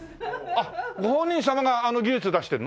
あっご本人様があの技術出してるの？